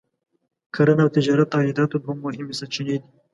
کرنه او تجارت د عایداتو دوه مهمې سرچینې دي.